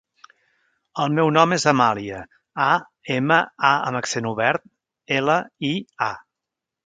El meu nom és Amàlia: a, ema, a amb accent obert, ela, i, a.